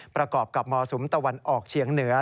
ประกอบกับมรสุมตะวันออกเฉียงเหนือ